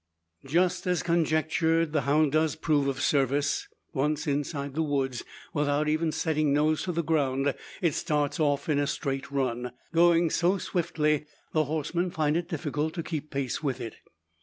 Just as conjectured, the hound does prove of service. Once inside the woods, without even setting nose to the ground, it starts off in a straight run going so swiftly, the horsemen find it difficult to keep pace with it.